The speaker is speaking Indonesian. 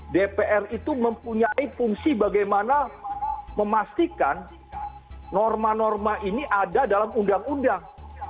dpr itu mempunyai fungsi bagaimana memastikan norma norma ini ada dalam undang undang